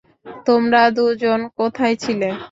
তোমরা দুজন কোথায় ছিলে?